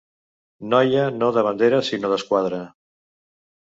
Noia no de bandera sinó d'esquadra.